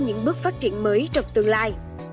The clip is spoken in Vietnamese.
đến những bước phát triển mới trong tương lai